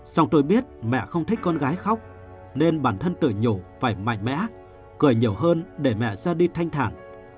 xong tôi biết mẹ không thích con gái khóc nên bản thân từ nhổ phải mạnh mẽ cười nhiều hơn để mẹ ra đi thanh thản